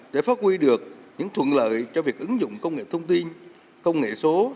để phát huy được những thuận lợi cho việc ứng dụng công nghệ thông tin công nghệ số